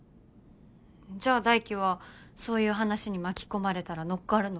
じゃあ大樹はそういう話に巻き込まれたら乗っかるの？